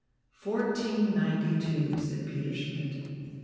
"Fourteen ninety two," said Peter Schmidt.